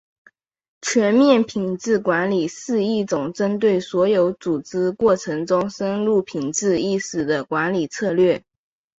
全面品质管理是一种针对所有组织过程中深入品质意识的管理策略。